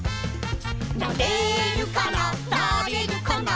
「なれるかな？